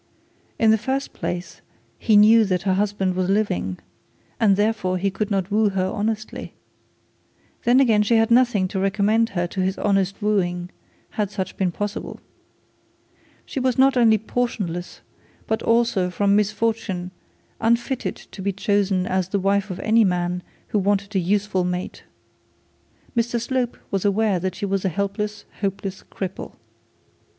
In the first place he knew that her husband was living, and therefore he could not woo her honestly. Then again she had nothing to recommend her to his honest wooing had such been possible. She was not only portionless, but also from misfortune unfitted to be chosen as the wife of any man who wanted a useful mate. Mr Slope was aware that she was a helpless hopeless cripple.